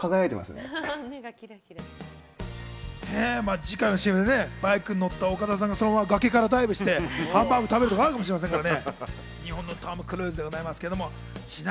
次回のＣＭでバイクに乗った岡田さんが崖からダイブして、ハンバーグ食べるとかあるかもしれませんからね。